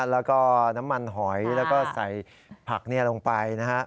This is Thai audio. แล้วก็น้ำมันหอยแล้วก็ใส่ผักลงไปนะฮะ